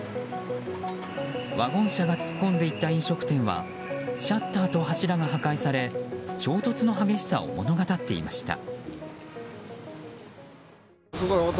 ワゴン車が突っ込んでいった飲食店はシャッターと柱が破壊され衝突の激しさを物語っていました。